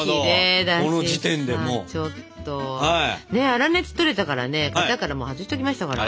粗熱とれたからね型からもう外しときましたから。